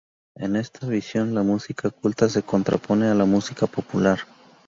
En esta visión la música culta se contrapone a la música popular.